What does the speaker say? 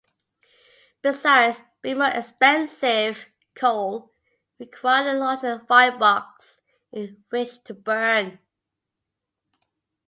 Besides being more expensive, coal required a larger firebox in which to burn.